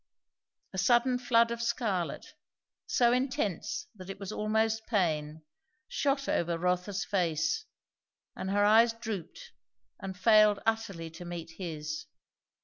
A sudden flood of scarlet, so intense that it was almost pain, shot over Rotha's face, and her eyes drooped and failed utterly to meet his.